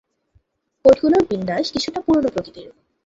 কোডগুলোর বিন্যাস কিছুটা পুরনো প্রকৃতির!